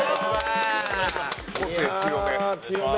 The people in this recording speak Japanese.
個性強め。